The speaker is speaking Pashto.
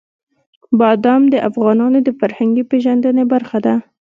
بادام د افغانانو د فرهنګي پیژندنې برخه ده.